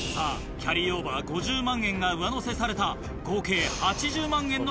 キャリーオーバー５０万円が上乗せされた合計８０万円の挑戦。